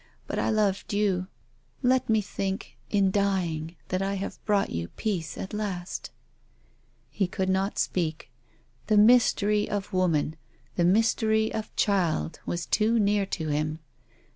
But I loved you. Let me think — in dying — that I have brought you peace at last." He could not speak. The mystery of woman, the mystery of child was too near to him.